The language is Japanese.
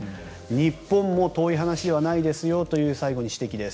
日本も遠い話ではないですよという最後に指摘です。